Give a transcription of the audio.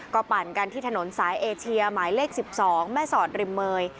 ก็ปั่นกันที่ถนนสายเอเชียหมายเลข๑๒แม่สอดริมเมย